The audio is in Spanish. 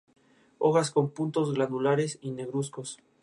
Es la segunda canción del disco y el tercer sencillo de promoción del mismo.